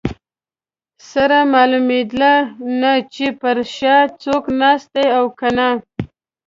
سره معلومېده نه چې پر شا څوک ناست دي او که نه.